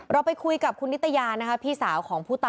เราไปคุยกับคุณนิตยานะคะพี่สาวของผู้ตาย